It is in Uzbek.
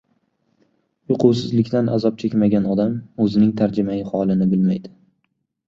— Uyqusizlikdan azob chekmagan odam o‘zining tarjimai holini bilmaydi.